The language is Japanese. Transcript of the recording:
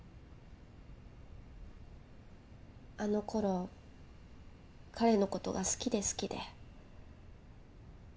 あのころ彼のことが好きで好きで。